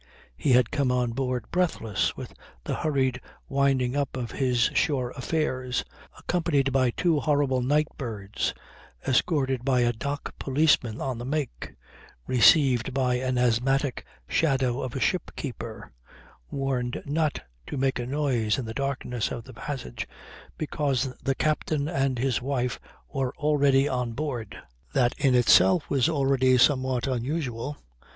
He had come on board breathless with the hurried winding up of his shore affairs, accompanied by two horrible night birds, escorted by a dock policeman on the make, received by an asthmatic shadow of a ship keeper, warned not to make a noise in the darkness of the passage because the captain and his wife were already on board. That in itself was already somewhat unusual.